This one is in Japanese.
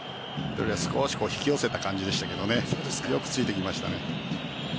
少し引き寄せた感じでしたけどねよくついてきました。